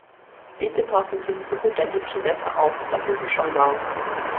Bitte passen Sie in Zukunft ein bisschen besser auf, das muss ich schon sagen.